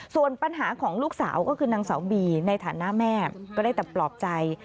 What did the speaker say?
ส่วนปัญหาของลูกสาวก็คือนางสาวบีในฐานะแม่ก็ได้แต่ปลอบใจ